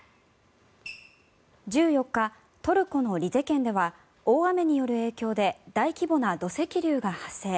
１４日、トルコのリゼ県では大雨による影響で大規模な土石流が発生。